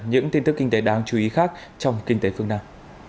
những tin tức kinh tế đáng chú ý khác trong kinh tế phương nam